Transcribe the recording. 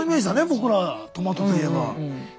僕らトマトといえば。